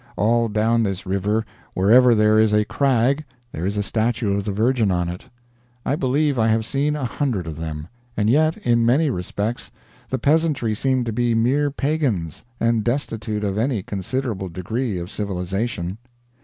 All down this river, wherever there is a crag there is a statue of the Virgin on it. I believe I have seen a hundred of them. And yet, in many respects, the peasantry seem to be mere pagans, and destitute of any considerable degree of civilization.